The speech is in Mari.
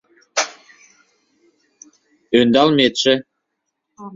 — Ӧндалметше...